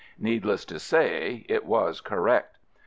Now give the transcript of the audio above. Needless to say, it was correct.